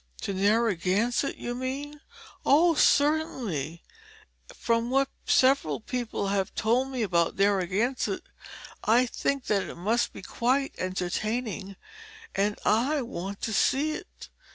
"To Narragansett, you mean? Oh, certainly. From what several people have told me about Narragansett I think that it must be quite entertaining, and I want to see it.